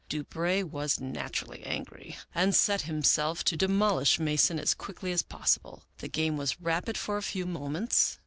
Du Brey was naturally angry and set himself to demolish Mason as quickly as possible. The game was rapid for a few moments.